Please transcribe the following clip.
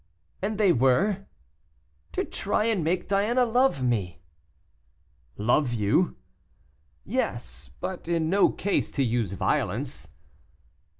"And they were?" "To try and make Diana love me." "Love you!" "Yes, but in no case to use violence."